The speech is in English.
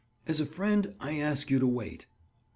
As a friend I ask you to wait."